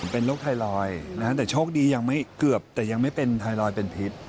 เป็นโรคไทรอยด์นะฮะแต่โชคดียังไม่เกือบแต่ยังไม่เป็นไทรอยด์เป็นพิษ